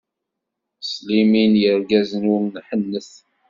S limin n yirgazen ur nḥennet!